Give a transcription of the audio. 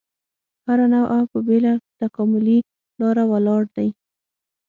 هره نوعه په بېله تکاملي لاره ولاړ دی.